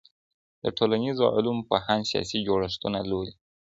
د ټولنيزو علومو پوهان سياسي جوړښتونه لولي.